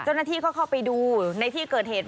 เจ้าหน้าที่ก็เข้าไปดูในที่เกิดเหตุ